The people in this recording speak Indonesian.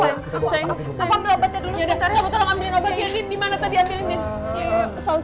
orang orang n improvementnno be like allah